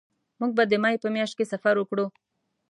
مونږ به د مې په میاشت کې سفر وکړو